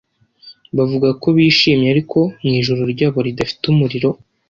Bavuga ko bishimye ariko mu ijoro ryabo ridafite umuriro